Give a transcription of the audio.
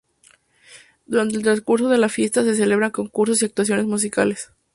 Durante el transcurso de la fiesta, se celebran concursos y actuaciones musicales.